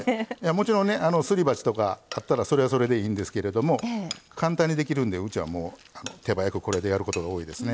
もちろんねすり鉢とかあったらそれはそれでいいんですけれども簡単にできるんでうちはもう手早くこれでやることが多いですね。